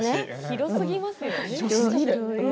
広すぎますよね。